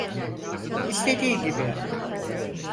İstediğin gibi yap.